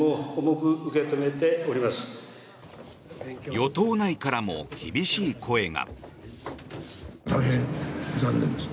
与党内からも厳しい声が。